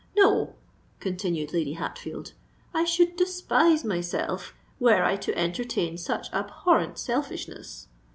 No," continued Lady Hatfield; "I should despise myself, were I to entertain such abhorrent selfishness.